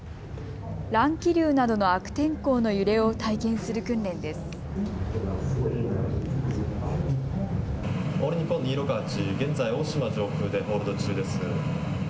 乱気流などの悪天候の揺れを体験する訓練です。